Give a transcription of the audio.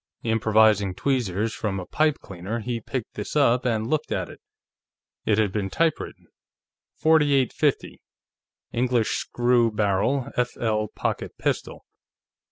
Improvising tweezers from a pipe cleaner, he picked this up and looked at it. It had been typewritten: 4850: English Screw Barrel F/L Pocket Pistol.